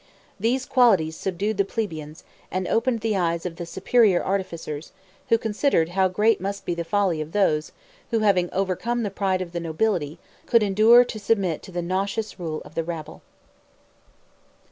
These qualities subdued the plebeians, and opened the eyes of the superior artificers, who considered how great must be the folly of those, who having overcome the pride of the nobility, could endure to submit to the nauseous rule of the rabble.